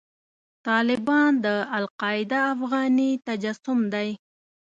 طالبان د القاعده افغاني تجسم دی.